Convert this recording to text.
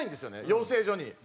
養成所に。